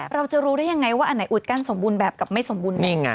ว่ายังไงว่าอันไหนอุดกั้นสมบูรณ์แบบกับไม่สมบูรณ์แบบ